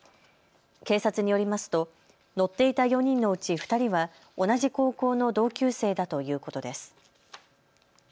警察によりますと乗っていた４人のうち２人は同じ高校の同級生だということです。